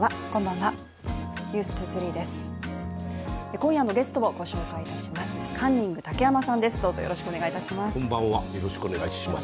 今夜のゲストをご紹介いたします。